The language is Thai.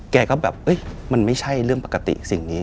แกก็แบบมันไม่ใช่เรื่องปกติสิ่งนี้